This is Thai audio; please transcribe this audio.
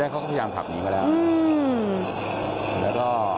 ก็พยายามขับนิดหนึ่งั้นก็แล้ว